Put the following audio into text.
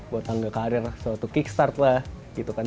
buat tangga karir so to kickstart lah gitu kan